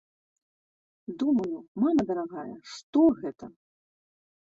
Думаю, мама дарагая, што гэта?!